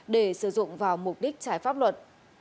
để sử dụng vào mục đích trái pháp luật